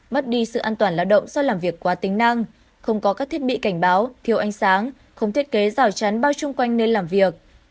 mất đi sự an toàn lao động do làm việc quá tính năng không có các thiết bị cảnh báo thiêu ánh sáng không thiết kế rào chắn bao chung quanh nơi làm việc